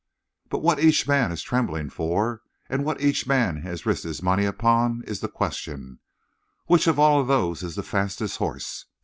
"But what each man is trembling for, and what each man has risked his money upon, is this question: Which of all those is the fastest horse?